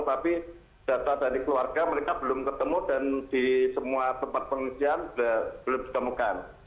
tapi data dari keluarga mereka belum ketemu dan di semua tempat pengungsian belum ditemukan